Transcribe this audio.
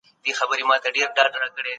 کتابونه بايد په کور کي وساتل سي.